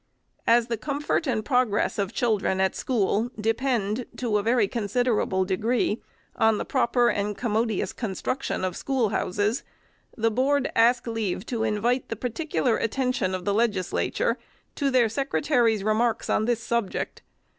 As the comfort and progress of children at school depend, to a very considerable degree, on the proper and commodious construction of schoolhouses, the Board ask leave to invite the particular attention of the Legislature to their Secretary's remarks on this subject.